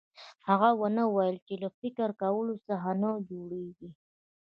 هغه ونه ويل چې له فکر کولو څه نه جوړېږي.